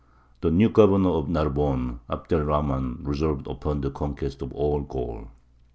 The new governor of Narbonne, Abd er Rahmān, resolved upon the conquest of all Gaul.